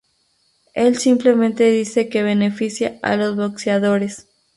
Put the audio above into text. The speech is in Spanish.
Él simplemente dice que beneficia a los boxeadores".